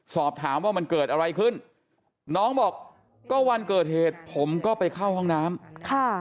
สอบถามว่ามันเกิดอะไรขึ้นน้องบอกก็วันเกิดเหตุผมก็ไปเข้าห้องน้ำค่ะ